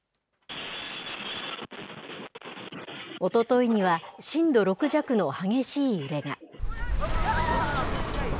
おとといには震度６弱の激しい揺れが。